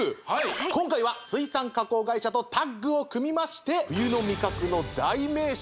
今回は水産加工会社とタッグを組みまして冬の味覚の代名詞